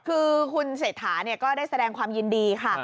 คือคุณเศรษฐาก็ได้แสดงความยินดีค่ะ